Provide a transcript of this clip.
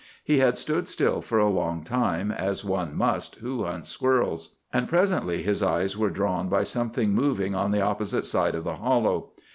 He had stood still for a long time, as one must who hunts squirrels, and presently his eyes were drawn by something moving on the opposite side of the hollow.